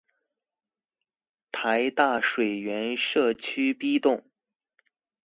臺大水源舍區 B 棟